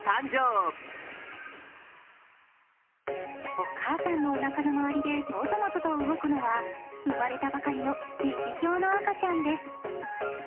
お母さんのおなかのまわりでもぞもぞと動くのは、生まれたばかりの雪ひょうの赤ちゃんです。